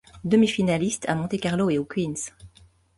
Demi-finaliste à Monte-Carlo et au Queen's.